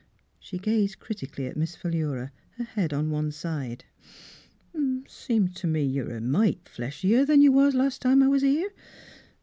She gazed critically at Miss Philura, her head on one side. " Seems t' me you're a mite fleshier than you was las' time I was here.